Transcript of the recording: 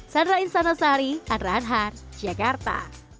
sandra insanosari adra anhar jakarta